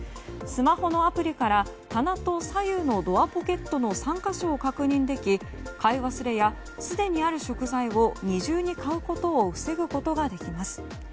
スマホのアプリから棚と左右のドアポケットの３か所を確認でき買い忘れや、すでにある食材を二重に買うことを防ぐことができます。